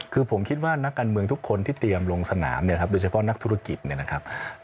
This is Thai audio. คือผมคิดว่านักการเมืองทุกคนที่เตรียมลงสนามเนี่ยครับโดยเฉพาะนักธุรกิจเนี่ยนะครับ